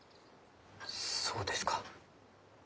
そうですか。